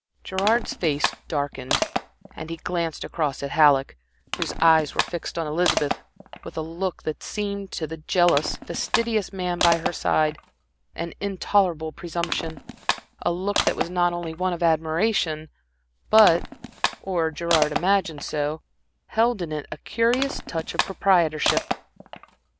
Gerard's face darkened, and he glanced across at Halleck, whose eyes were fixed on Elizabeth with a look that seemed, to the jealous, fastidious man by her side, an intolerable presumption; a look that was not only one of admiration, but, or Gerard imagined so, held in it a curious touch of proprietorship.